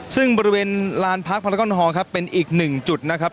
ซึ่งบริเวณลานพาร์คพลักษณ์ฮอล์ครับเป็นอีก๑จุดนะครับ